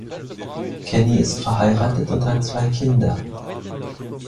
Kenny ist verheiratet und hat zwei Kinder.